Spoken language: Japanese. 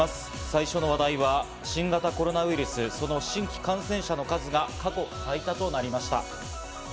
最初の話題は新型コロナウイルス、その新規感染者の数が過去最多となりました。